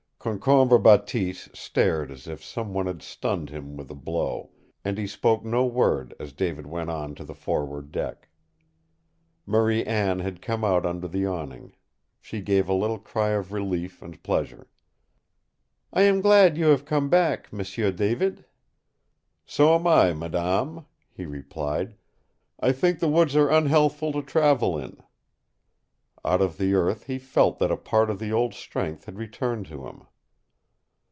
Concombre Bateese stared as if some one had stunned him with a blow, and he spoke no word as David went on to the forward deck. Marie Anne had come out under the awning. She gave a little cry of relief and pleasure. "I am glad you have come back, M'sieu David!" "So am I, madame," he replied. "I think the woods are unhealthful to travel in!" Out of the earth he felt that a part of the old strength had returned to him.